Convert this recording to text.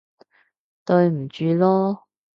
對唔住囉